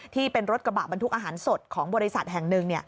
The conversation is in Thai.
ที่เป็นรถกระบะบรรทุกอาหารสดของบริษัทแห่งหนึ่ง